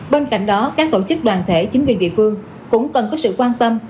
bên cạnh đó các tổ chức đoàn thể chính quyền địa phương cũng cần có sự quan tâm